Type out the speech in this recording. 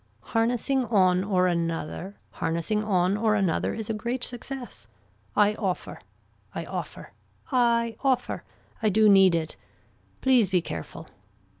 Harnessing on or another. Harnessing on or another is a great success. I offer. I offer. I offer. I do need it. Please be careful.